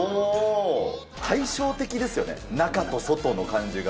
対照的ですよね、中と外の感じが。